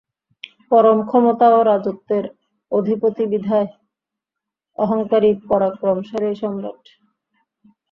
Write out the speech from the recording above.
পরম ক্ষমতা ও রাজত্বের অধিপতি বিধায় অহংকারী পরাক্রমশালী সম্রাট!